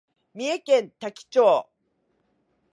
三重県多気町